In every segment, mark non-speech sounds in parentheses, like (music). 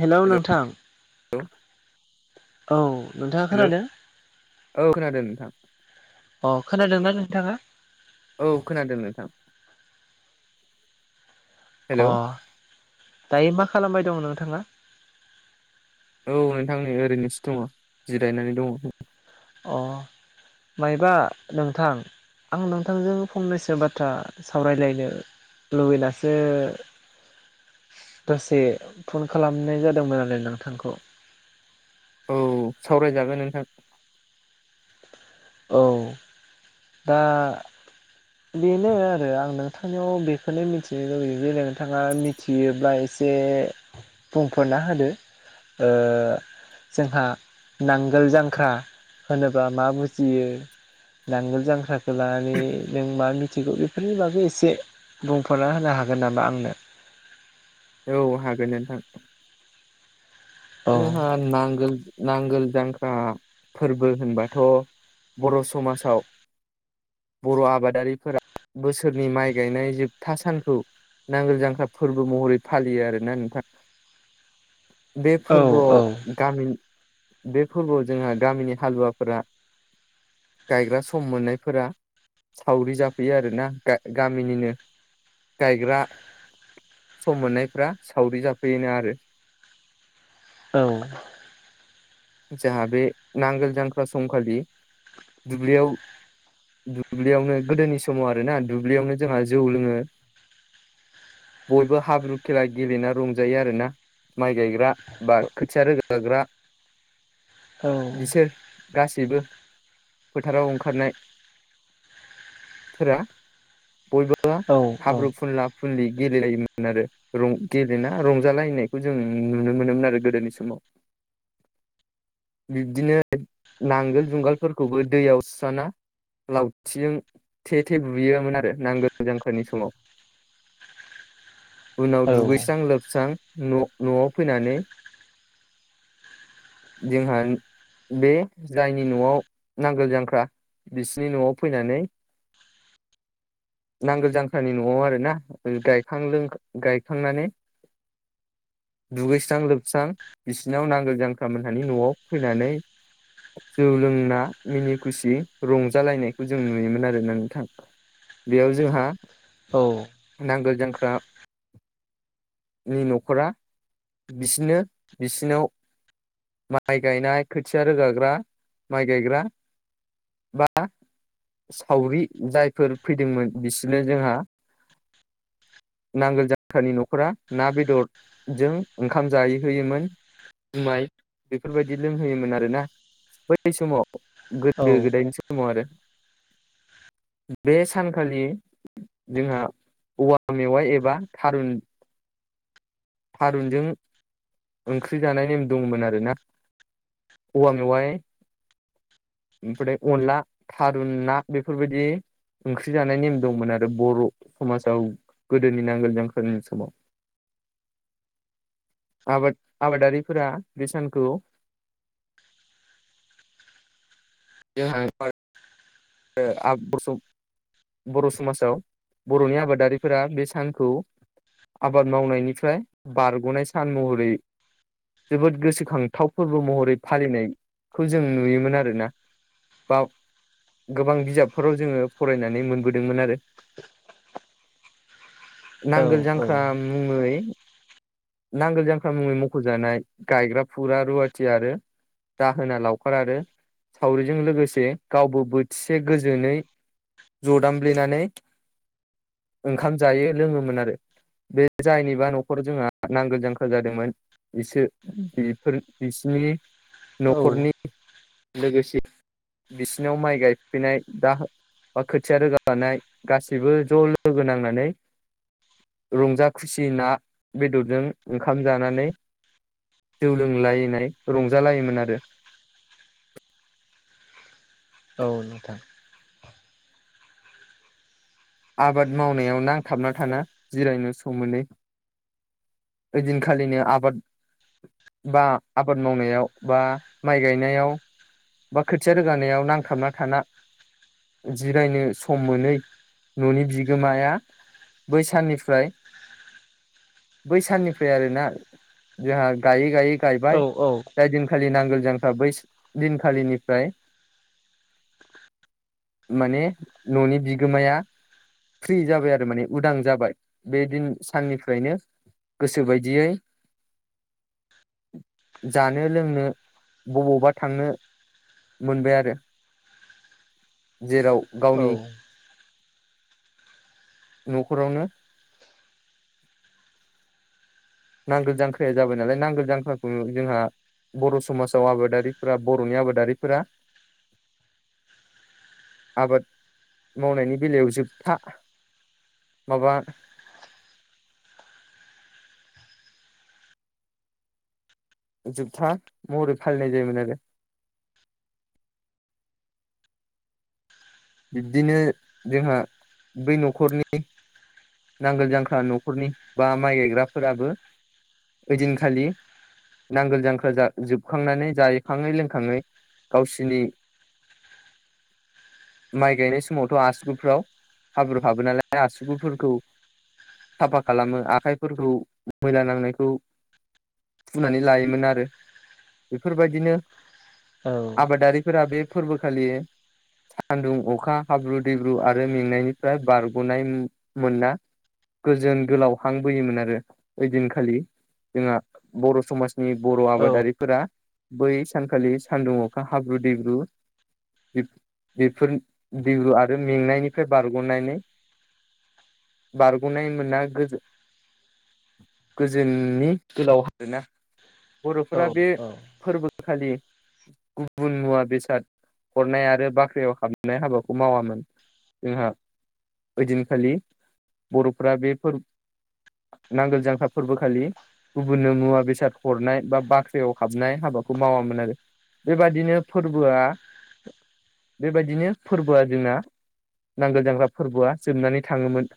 Hello नोंथां औ नोंथाङा खोनादों। औ खोनादों नोंथां अ खोनादोंना नोंथाङा। औ खोनादों नोंथां। हेलौ अ दायो मा खालामबाय दं नोंथाङा औ नोंथांनि ओरैनोसो दङ जिरायनानै दङ। अ मायबा नोंथां आं नोंथांजों फंनैसो बाथ्रा सावरायलायनो। लुबैनासो। दसे फन खालामनाय जादोंमोन नालाय नोंथांखौ औ सावराय जागोन नोंथां। औ। दा। बेनो आरो आं नोंथांनियाव बेखौनो मिथिनो लुबैयो जेरै नोंथाङा थियोब्ला एसे बुंफोरना होदो जोंहा नांगोल जांख्रा होनोबा मा बुजियो नांगोल जांख्राखौ लानानै नों मा मिथिगौ बेफोरनि बागै एसे बुंफोर'ना होनो हागोन नामा आंनो औ हागोन नोंथां। औ जोंहा नांगोल नांगोल जांख्रा फोरबो होनबाथ' बर' समाजाव बर' आबादारिफोरा बोसोरनि माइ गायनाय जोबथा सानखौ नांगोल जांख्रा फोरबो महरै फालियो आरोना नोंथां। (inaudible) बे औ फोरबोआव गामि बे फोरबोआव जोंहा गामिनि हालुवाफोरा गायग्रा सम मोननायफोरा सावरि जाफैयो आरोना गामिनिनो गायग्रा। सम मोननायफ्रा सावरि जाफैयोना आरो औ। जोंहा बे नांगोल जांख्रा समखालि दुब्लियाव दुब्लियावनो गोदोनि समाव आरोना दुब्लियावनो जोंहा जौ लोङो बयबो हाब्रु खेला गेलेना रंजायो आरोना माइ गायग्रा बा खोथिया रोगाग्रा बिसोर गासैबो फोथाराव ओंखारनाय फोरा बयबो औ हाब्रु फुनला फुनलि गेलेेलायोमोन आरो। गेलेना रंजालायनायखौ जों नुनो मोनोमोन आरो गोदोनि समाव बिब्दिनो नांगोल जुंगालफोरखौबो दैयाव सुस्राना लावथिजों थे थे बुयोमोन आरो नांगौ जांख्रानि समाव (inaudible) उनाव औ दुगैस्रां लोबस्रां न'आव फैनानै जोंहा बे जायनि न'आव नांगोल जांख्रा बिसिनि न'आव फैनानै (inaudible) नांगोल जांख्रानि न'आव आरोना गायखां गायखांनानै दुगैस्रां लोबस्रां बिसिनाव नांगोल जांख्रा मोनहानि न'आव फैनानै जौ लोंना मिनि खुसि रंजालायनायखौ जों नुयोमोन आरोना नोंथां बेयाव जोंहा औ नांगोल जांख्रा नि न'खरा बिसोरनो बिसिनाव माइ गायनाय खोथिया रोगाग्रा माइ गायग्रा बा सावरि जायफोर फैदोंमोन बिसोरनो जोंहा नांगोल‌ जांख्रानि न'खरा ना बेदर जों ओंखाम जायै होयोमोन जुमाइ बेफोरबायदि लोंहोयोमोन आरोना बै समाव गोदो गोदायनि स माव आरो बे सानखालि जोंहा औवा मेवाइ एबा थारुन थारुनजों ओंख्रि जानाय नेम दंमोन आरोना औवा मेवाइ ओमफ्राय अनला थारुन ना बेफोरबायदि ओंख्रि जानाय नेम दंमोन आरो बर' समाजाव गोदोनि नांगोल जांख्रानि समाव आबाद आबादारिफोरा बे सानखौ (unintelligible) (unintelligible) बर' समाजाव बर'नि आबादारिफोरा बे सानखौ आबाद मावनायनिफ्राय बारग'नाय सान महरै जोबोद गोसोखांथाव फोरबो महरै फालिनायखौ जों नुयोमोन आरोना बाव गोबां बिजाबफोराव जोङो फरायनानै मोनबोदोंमोन आरो औ नांगोल जांख्रा मुङै नांगोल जांख्रा मुङै मख'जानाय गायग्रा फुग्रा रुवाथि आरो दाहोना, लावखार आरो सावरिजों लोगोसे गावबो बो थिसे गोजोनै जदामब्लेनानै ओंखाम जायो लोङोमोन आरो बे जायनिबा न'खर जोंहा नांगोल जांखा जादोंमोन बिसोर बेफोर बिसिनि औ न'खरनि लोगोसे बिसिनाव माइ गाय फैनाय दा बा खोथिया रोगानाय गासैबो ज' लोगो नांनानै रंजा खुसि ना बेदरजों ओंखाम जानानै जौ लोंलायनाय रंजालायोमोन आरो औ नोंथां आबाद मावनायाव नांथाबना थाना जिरायनो सम मोनै ओइदिनखालिनो आबाद बा आबाद मावनायाव बा माइ गायनायाव बा खोथिया रोगानायाव नांथाबना थाना जिरायनो सम मोनै न'नि बिगोमाया बै साननिफ्राय बै साननिफ्राय आरोना जोंहा गायै गायै औ गायबाय औ जाय दिन खालि नांगोल जांखा बै दिनखालिनिफ्राय माने न'नि बिगोमाया फ्रि जाबाय आरो माने उदां जाबाय बे दिन साननिफ्रायनो गोसो बायदियै (inaudible) जानो लोंनो बबावबा थांनो मोनबाय आरो जेराव औ गावनि न'खरावनो नांगोल जांख्राया जाबाय नालाय नांगोल जांख्राखौनो जोंहा बर' समाजाव आबादारिफोरा बर'नि आबादारिफोरा (inaudible) आबाद मावनायनि बेलायाव जोबथा माबा जोबथा महरै फालिनाय जायोमोन आरो बिब्दिनो जोंहा बै न'खरनि नांगोल जांख्रा न'खरनि बा माइ गायग्राफोराबो ओइदिन खालि नांगोल जांखोल जोबखांनानै जायखाङै लोंखाङै गावसिनि माइ गायनाय समावथ' आसुगुफ्राव हाब्रु हाबो नालाय आसुगुफोरखौ साफा खालामो आखाइफोरखौ मैला नांनायखौ फुनानै लायोमोन आरो बेफोरबायदिनो आबादारिफोरा बे फोरबो खालियो सान्दुं अखा हाब्रु दैब्रु आरो मेंनायनिफ्राय बारग'नाय मोना गोजोन गोलाव हां बोयोमोन आरो ओइ दिनखालि जोंहा बर' समाज नि बर' औ आबादारि फोरा बै सानखालि सानदुं अखा हाब्रु दैब्रु बेफोर बेबो आरो मेंनायनिफ्राय बारग'नानै बारग'नाय मोनना गोजोन गोजोननि गोलाव आरोना औ बर'फोरा बे फोरबो आ खालि गुबुन मुवा बेसाद हरनाय आरो बाख रियाव हाबनाय हाबाखौ मावामोन जोंहा ओइदिनखालि बर'फ्रा बेफोर नांगोल जांख्रा फोरबो खालि गुबुननो मुवा बेसाद हरनाय बा बाख्रियाव हाबनाय हाबाखौ मावामोन आरो। बेबायदिनो फोरबोआ बेबायदिनो फोरबोआ जोंना नांगोल जांग्रा फोरबोआ जोबनानै थाङोमोन।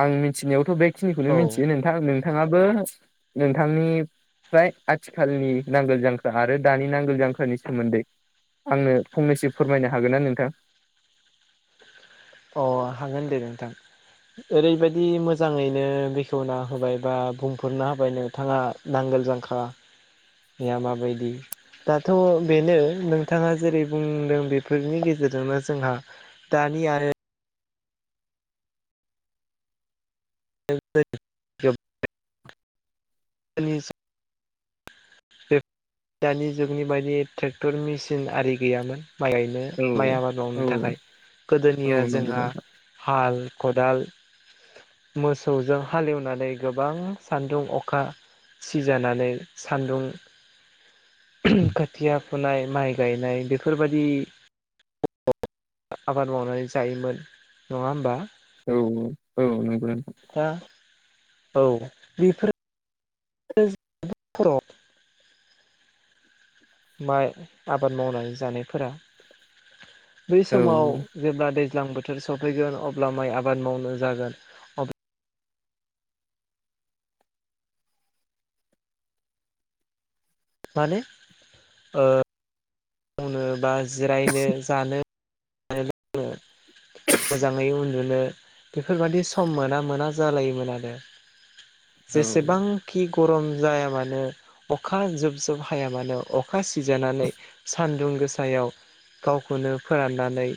आं मिथिनायावथ' बेखिनिखौनो मिथियो नोंथां नोंथाङाबो नोंथांनि फ्राय आथिखालनि नांगोल जांखो आरो दानि नांगोल जांख्रानि सोमोन्दै आंनो फंनैसो फोरमायनो हागोन ना नोंथां? अ हांगोन दे नोंथां ओरैबायाददि मोजाङैनो बेखेवना होबाय बा बुंफोरना होबाय नोंथाङा नांगोल जांख्राया माबायदि दाथ' बेनो नोंथाङा जेरै बुंदों बेफोरनि गेजेरजोंनो जोंहा दानि आरो (inaudible) बे दानि जुगनि बायदि ट्रेक्टर मेसिन आरि गैयामोन माइनो औ माइ आबाद मावनो औ थाखाय औ गोदोनिया नंगौ जोंहा नोंथां। हाल खदाल मोसौजों हालेवनानै गोबां सान्दुं अखा सिजानानै सान्दुं खोथिया फुनाय माइ गायनाय बेफोर बायदि आबाद मावनानै जायोमोन नङा होमबा? औ औ नंगौ औ (unintelligible) माइ आबाद मावनानै जानायफोरा बै औ समाव जेब्ला दैज्लां बोथोर सफैगोन अब्ला माइ आबाद मावनो जागोन माने ओ मावनो बा जिरायनो जानो (inaudible) मोजाङै उन्दुनो बेफोरबायादि सम मोना मोना जालायोमोन आरो (inaudible) औ जेसेबांखि गरम जाया मानो अखा जोब जुब हाया मानो अ खा सिजानानै सानदुं गोसायाव गावखौनो फोराननानै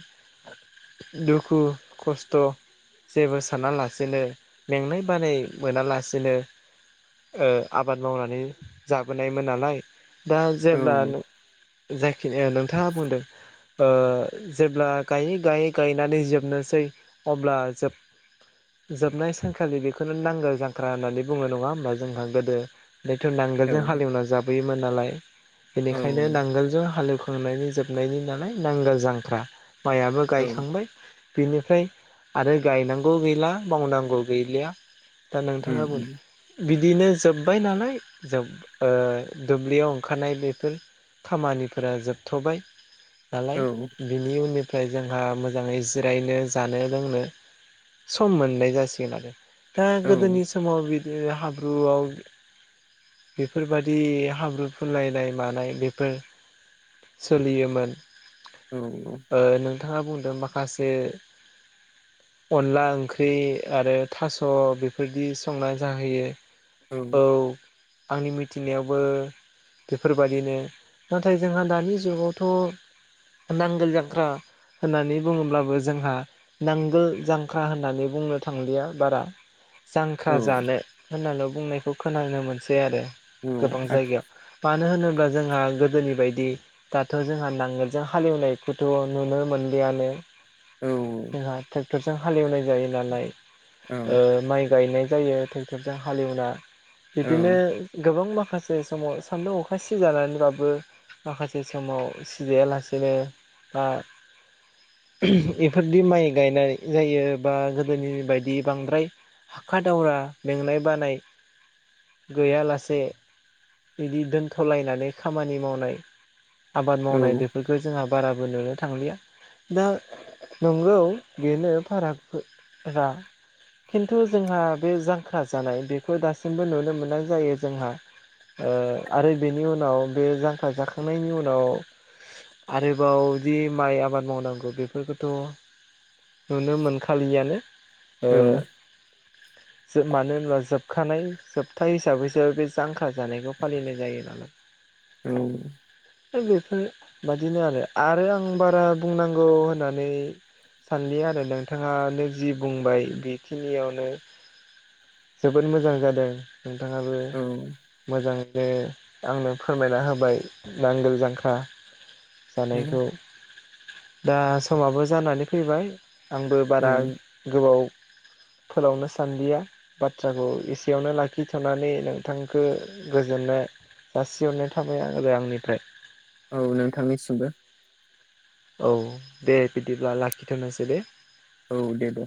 दुखु खस्थ' जेबो साना लासिनो मेंनाय बानाय मोनालासिनो आबाद मावनानै जाबोनायमोन नालाय दा औ जेब्ला जायखिनि नोंथाङा बुंदों ओ जेब्ला गायै गायै गायनानै जोबनोसै अब्ला जोब जोबनाय सानखालि बेखौनो नांगोल जांख्रा होननानै बुङो नङा होमब्ला जोंहा गोदो बेथ' नांगोलजों हालेवना जाबोयोमोन नालाय औ बेनिखायनो नांगोलजों हालेव सोंनायनि जोबनायनि नालाय नांगोल जांख्रा माइयाबो औ गायखांबाय बिनिफ्राय आरो गायनांगौ गैला मावनांगौ गैलिया दा उम नोंथाङाबो उम बिदिनो जोब्बाय नालाय जोब ओ दुब्लियाव ओंखारनाय बेफोर खामानिफोरा जोबथ'बाय औ दालाय बिनि उननिफ्राय जोंहा मोजाङै जिरायनो जानो लोंनो सम मोननाय जासिगोन आरो दा औ गोदोनि समाव बिदि हाब्रुआव बेफोरबादि हाब्रु फुनलायनाय मानाय बेफोर सोलियोमोन औ ओ नोंथाङा बुंदों माखासे अनला ओंख्रि आरो थास' बेफोरदि संना जाहोयो औ आंनि मिथिनायावबो बेफोरबायादिनो नाथाय जोंहा दानि जुगावथ' नांगोल जांख्रा होननानै बुङोब्लाबो जोंहा नांगोल जांख्रा होननानै बुंनो थांलिया बारा जांख्रा औ जानो होनल' बुंनायखौ खोनानो मोनसै आरो औ गोबां आथि जायगायाव मानो होनोब्ला जोंहा गोदोनि बायदि दाथ' जोंहा नांगोर जों हालेवनायखौथ' नुनो मोनलियानो औ औ जोंहा थे क्टरजों हालेवनाय जायो नालाय औ माइ गायनाय जायो ट्रेक्टर जों हालेवना बिदिनो औ गोबां माखासे समाव सान्दुं अखा सिजानानैबाबो माखासे समाव सिजायालासेनो बा बेफोरदि माइ गायनाय जायो बा गोदोनि बायदि बांद्राय हाखा दावरा मेंनाय बानाय गैयालासे बिदि दोनथ'लायनानै खामानि मावनाय आबाद औ मावनाय बेफोरखौ जोंहा बाराबो नुनो थांलिया दा नंगौ बेनो फारागफोरा खिन्थु जोंहा बे जांख्रा जानाय बेखौ दासिमबो नुनो मोननाय जायो जोंहा आरो बेनि उनाव बे जांख्रा जाखांनायनि उनाव आरोबाव जि माइ आबाद मावनांगौ बेफोरखौथ' नुनो मोनखालिआनो ओ औ जोब मानो होनबा जोबखानाय जोबथा हिसाबैसो बे जांख्रा जानायखौ फालिनाय जायो नालाय (inaudible) औ है बेफोर बादिनो आरो आरो आं बारा बुंनांगौ होननानै सानलि आरो नोंथाङानो जि बुंबाय बेखिनियावनो जोबोद मोजां जादों नोंथाङाबो मोजाङैनो आंनो फोरमायना होबाय नांगोल जांख्रा औ जानायखौ दा समाबो जानानै फैबाय आंबो बारा गोबाव फोलावनो सानदिया बाथ्राखौ एसेयावनो लाखिथ'नानै नोंथांखो गोजोननाय जासिहरनाय थाबाय आरो आंनिफ्राय औ नोंथांनिसिमबो औ दे बिदिब्ला लाखिथ'नोसै दे औ दे दे